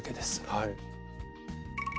はい。